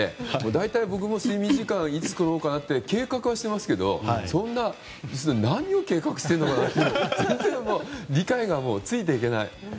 大体、僕も睡眠時間いつとろうかなって計画はしますが何を計画してるんだろうって理解がついていけない。